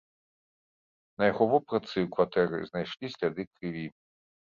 На яго вопратцы і ў кватэры знайшлі сляды крыві.